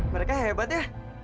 mereka hebat ya